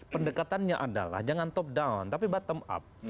pendekatannya adalah jangan top down tapi bottom up